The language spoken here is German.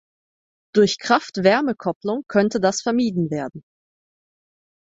Durch Kraft-Wärme-Kopplung könnte das vermieden werden.